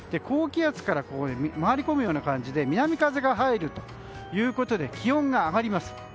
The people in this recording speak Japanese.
高気圧から回り込むような感じで南風が入るということで気温が上がります。